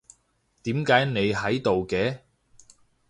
點解你喺度嘅？